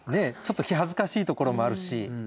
ちょっと気恥ずかしいところもあるし。